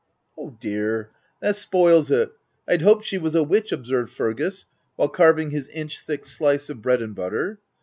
" Oh dear ! that spoils it — Vd hoped she Was a witch/' observed Fergus, while carving his inch thick slice of bread and butter.